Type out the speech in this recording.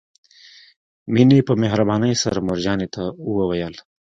مينې په مهربانۍ سره مور جانې ته وويل.